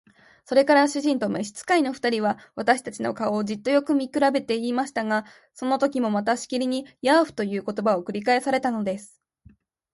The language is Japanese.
それから主人と召使の二人は、私たちの顔をじっとよく見くらべていましたが、そのときもまたしきりに「ヤーフ」という言葉が繰り返されたのです。